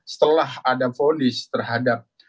setelah ada fonis terhadap